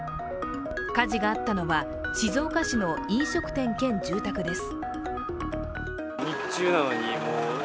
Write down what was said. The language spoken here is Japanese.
火事があったのは静岡市の飲食店兼住宅です。